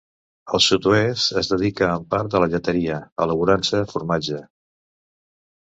El sud-oest es dedica en part a la lleteria, elaborant-se formatge.